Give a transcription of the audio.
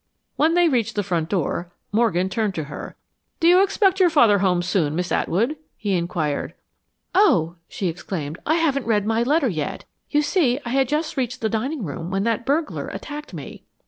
When they reached the front door, Morgan turned to her. "Do you expect your father home soon, Miss Atwood?" he inquired. "Oh," she exclaimed, "I haven't read my letter yet. You see, I had just reached the dining room when that burglar attacked me."